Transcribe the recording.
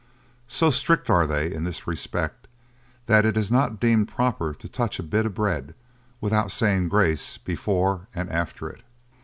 So strict are they in this respect, that it is not deemed proper to touch a bit of bread without saying grace before and after it.